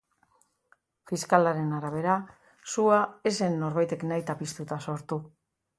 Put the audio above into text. Fiskalaren arabera, sua ez zen norbaitek nahita piztuta sortu.